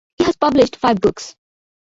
He has published five books.